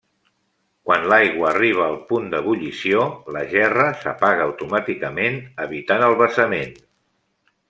Quan l'aigua arriba al punt d'ebullició, la gerra s'apaga automàticament evitant el vessament.